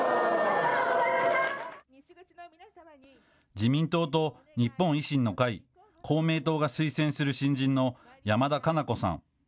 自民党と日本維新の会、公明党が推薦する新人の山田加奈子さん。